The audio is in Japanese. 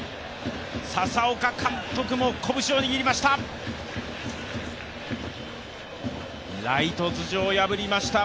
佐々岡監督も拳を握りました。